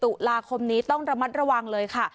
ตุลาคมนี้ต้องระมัดระวังเลยค่ะ